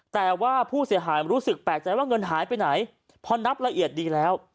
แต่ว่าผู้เสียหายรู้สึกแปลกใจว่าเงินหายไปไหนพอนับละเอียดดีแล้ว